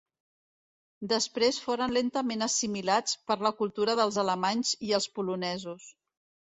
Després foren lentament assimilats per la cultura dels alemanys i els polonesos.